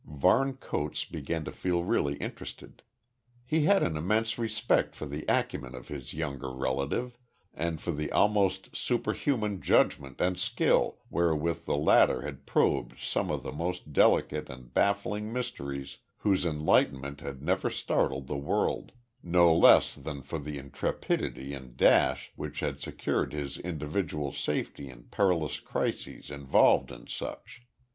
Varne Coates began to feel really interested. He had an immense respect for the acumen of his younger relative, and for the almost superhuman judgment and skill wherewith the latter had probed some of the most delicate and baffling mysteries whose enlightenment had ever startled the world no less than for the intrepidity and dash which had secured his individual safety in perilous crises involved in such.